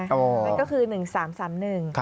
นั่นก็คือ๑๓๓๑